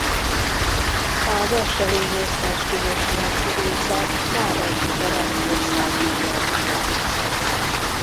A Wesselényi-összeesküvés miatt kivégzett Nádasdy Ferenc országbíró fia.